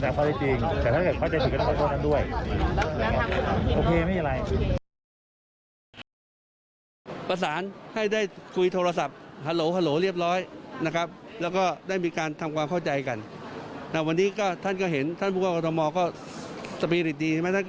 ก็เห็นท่านบุคคลกับกรณมก็สปีฤตดีใช่ไหม